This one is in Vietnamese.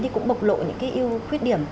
thì cũng bộc lộ những cái yêu khuyết điểm